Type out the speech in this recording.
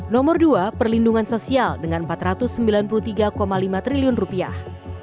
nomor dua perlindungan sosial dengan empat ratus sembilan puluh tiga lima triliun rupiah